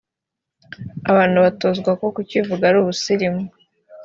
abantu batozwa ko kukivuga ari ubusirimu